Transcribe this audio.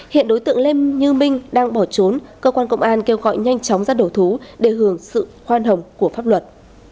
hiện đối tượng lê như minh đang bỏ trốn cơ quan công an kêu gọi nhanh chóng ra đầu thú để hưởng sự khoan hồng của pháp luật